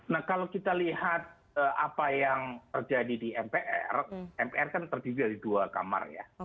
nah kalau kita lihat apa yang terjadi di mpr mpr kan terdiri dari dua kamar ya